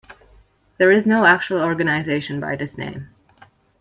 There is no actual organization by this name.